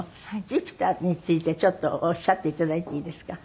『ジュピター』についてちょっとおっしゃって頂いていいですか？